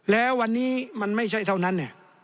แล้ววันนี้มันไม่ใช่เท่านั้น